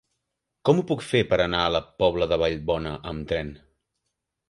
Com ho puc fer per anar a la Pobla de Vallbona amb tren?